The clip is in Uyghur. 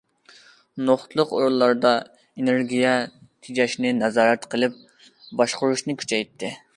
نۇقتىلىق ئورۇنلاردا ئېنېرگىيە تېجەشنى نازارەت قىلىپ باشقۇرۇشنى كۈچەيتتى.